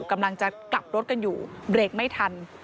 กำลังจะกลับรถกันอยู่เบรกไม่ทัน